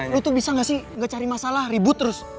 lu tuh bisa gak sih gak cari masalah ribut terus